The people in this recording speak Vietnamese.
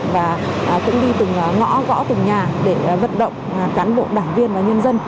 và cũng đi từng ngõ gõ từng nhà để vận động cán bộ đảng viên và nhân dân